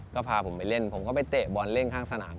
ก็พาผมไปเล่นผมก็ไปเตะบอลเล่นข้างสนาม